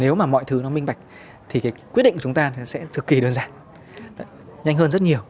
nếu mà mọi thứ nó minh bạch thì cái quyết định của chúng ta sẽ cực kỳ đơn giản nhanh hơn rất nhiều